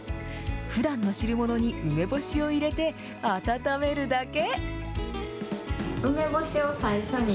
ふだんの汁物に梅干しを入れて、温めるだけ。